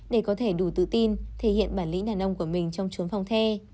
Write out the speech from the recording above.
để có thể đủ tự tin thể hiện bản lĩnh đàn ông của mình trong chuốn phòng thê